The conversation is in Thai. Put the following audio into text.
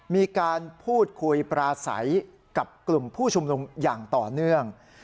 มีการพูดคุยปราศัยกับกลุ่มผู้ชุมนุมอย่างต่อเนื่อง